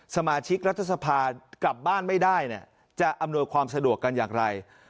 สมาชิกรัฐสภากลับบ้านไม่ได้จะอำนวยความสะดวกกันอย่างไร